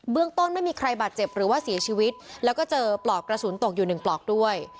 ต้นไม่มีใครบาดเจ็บหรือว่าเสียชีวิตแล้วก็เจอปลอกกระสุนตกอยู่หนึ่งปลอกด้วย